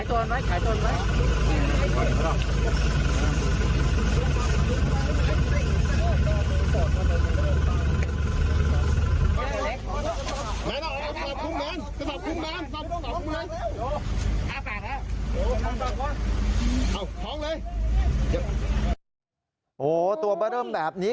โอ้โหตัวเบอร์เริ่มแบบนี้